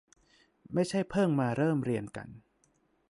ไม่ใช่เพิ่งมาเริ่มเรียนกัน